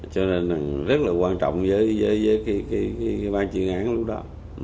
cho nên là rất là quan trọng với cái ban chuyên án lúc đó